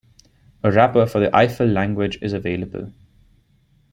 A wrapper for the Eiffel language is available.